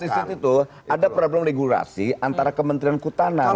problem of the state itu ada problem regulasi antara kementerian kutana dan kutana